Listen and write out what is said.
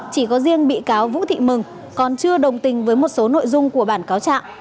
chỉ có riêng bị cáo vũ thị mừng còn chưa đồng tình với một số nội dung của bản cáo trạng